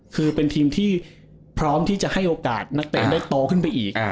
คือเป็นทีมที่พร้อมที่จะให้โอกาสนักเตะได้โตขึ้นไปอีก